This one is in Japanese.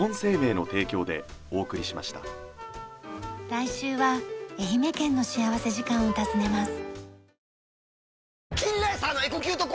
来週は愛媛県の幸福時間を訪ねます。